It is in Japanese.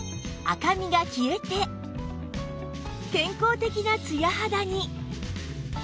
赤みが消えて健康的なツヤ肌に